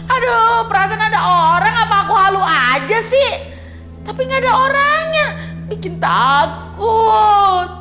aduh perasaan ada orang apa aku halu aja sih tapi gak ada orangnya bikin takut